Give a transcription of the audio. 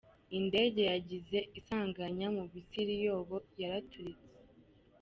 Indege yagize isanganya mu Misiri yoba yaraturitse.